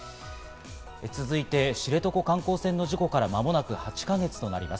続いて、知床観光船事故から間もなく８か月となります。